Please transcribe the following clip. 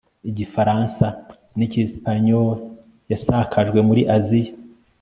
igifaransa n igisipanyoliyasakajwe muri aziya